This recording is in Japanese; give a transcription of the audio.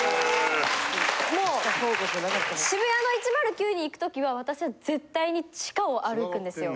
もう渋谷の１０９に行く時は私は絶対に地下を歩くんですよ。